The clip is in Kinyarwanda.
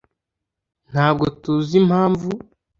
ntabwo tuzi impamvu